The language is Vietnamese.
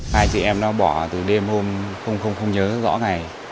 hai chị em đã bỏ từ đêm hôm không nhớ rõ ngày